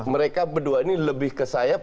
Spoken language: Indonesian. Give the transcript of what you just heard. mereka berdua ini lebih ke sayap